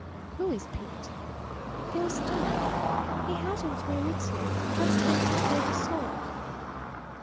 "Who is Pete?" "Bill's dog. He's had him three weeks now best little pup you ever saw!"